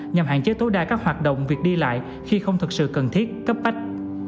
nhằm hạn chế tối đa các hoạt động việc đi lại khi không thực sự cần thiết cấp bách